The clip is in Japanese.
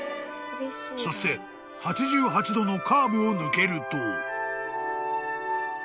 ［そして８８度のカーブを抜けると］